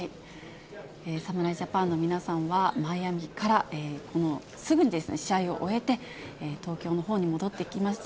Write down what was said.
侍ジャパンの皆さんは、マイアミから、すぐに試合を終えて東京のほうに戻ってきました。